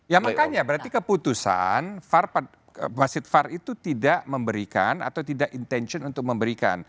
ya makanya berarti keputusan wasit far itu tidak memberikan atau tidak intension untuk memberikan